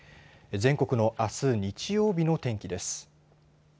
全国のあす日曜日の天気です。